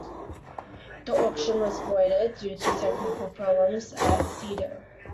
The auction was voided due to technical problems at Sedo.